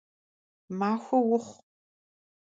Махуэ ухъу!